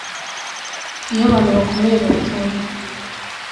iyo abantu bakomeye bapfuye